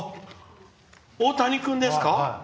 大谷君ですか？